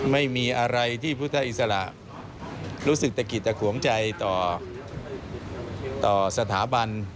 ไม่มีอะไรที่พุทธอิสระรู้สึกตะกิดตะขวงใจต่อสถาบัน